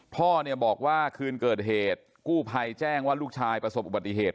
พ่อเนี่ยบอกว่าคืนเกิดเหตุกู้ภัยแจ้งว่าลูกชายประสบอุบัติเหตุ